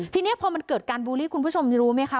ทีนี้พอมันเกิดการบูลลี่คุณผู้ชมรู้ไหมคะ